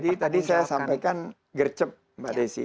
jadi tadi saya sampaikan gercep mbak desi